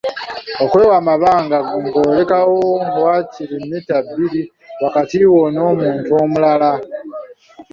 Okwewa amabanga ng’olekawo waakiri mmita bbiri wakati wo n’omuntu omulala;